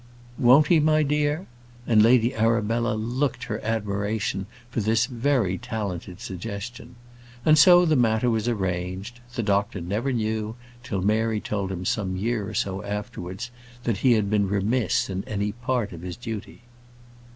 "Won't he, my dear?" And Lady Arabella looked her admiration for this very talented suggestion. And so that matter was arranged. The doctor never knew, till Mary told him some year or so afterwards, that he had been remiss in any part of his duty.